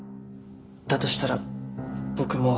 だとしたら僕もう。